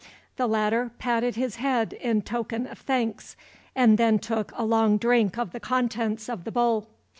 The latter patted his head in token of thanks, and then took a long drink of the contents of the bowl.